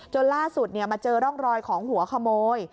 ล่าสุดมาเจอร่องรอยของหัวขโมย